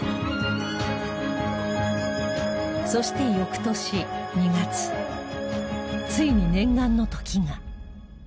そして翌年２月ついに念願の時が。